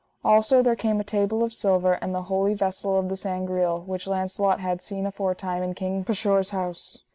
Also there came a table of silver, and the holy vessel of the Sangreal, which Launcelot had seen aforetime in King Pescheour's house.